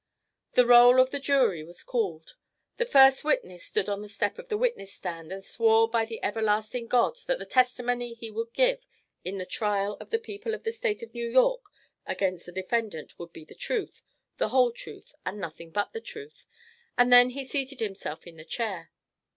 The roll of the jury was called. The first witness stood on the step of the witness stand and swore by the everlasting God that the testimony he would give in the trial of the People of the State of New York against the defendant would be the truth, the whole truth and nothing but the truth, and then he seated himself in the chair.